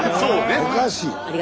おかしい。